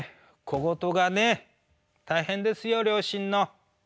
小言がね大変ですよ両親の。